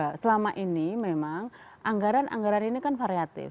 yang pertama ini memang anggaran anggaran ini kan variatif